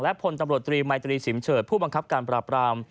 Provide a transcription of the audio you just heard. พลตำรวจตรีมัยตรีสิมเฉิดผู้บังคับการปราบราม